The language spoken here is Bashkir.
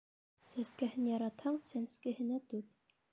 Сәскәһен яратһаң, сәнскеһенә түҙ.